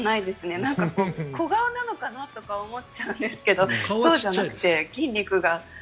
なんか小顔なのかなとか思っちゃうんですけどそうじゃなくて筋肉が。